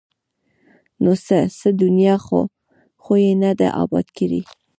ـ نو څه؟ څه دنیا خو یې نه ده اباد کړې!